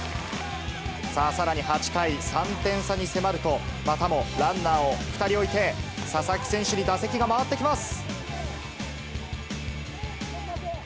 さらに８回、３点差に迫ると、またもランナーを２人置いて、佐々木選手に打席が回ってきます。